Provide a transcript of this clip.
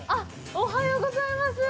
おはようございます。